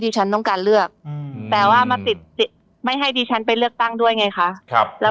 ฉันต้องการเลือกแต่ว่ามาติดไม่ให้ดิฉันไปเลือกตั้งด้วยไงคะแล้ว